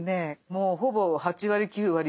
もうほぼ８割９割